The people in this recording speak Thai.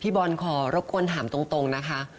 บอลขอรบกวนถามตรงนะคะ